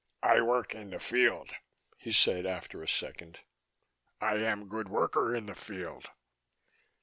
"I work in the field," he said after a second. "I am good worker in the field."